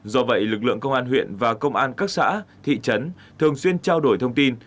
do vậy lực lượng công an huyện và công an các xã thị trấn thường xuyên trao đổi thông tin